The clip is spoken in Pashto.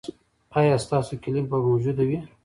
ایا ستاسو کیلي به موجوده وي؟